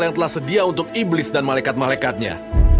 yang telah sedia untuk iblis dan malekat malekatnya